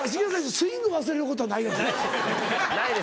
スイング忘れることはないですよね？